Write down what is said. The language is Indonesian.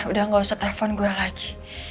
udah nggak usah telfon gue lagi